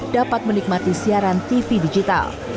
dapat menikmati siaran tv digital